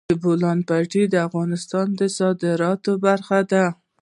د بولان پټي د افغانستان د صادراتو برخه ده.